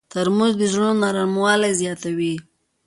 ترموز د زړونو نرموالی زیاتوي.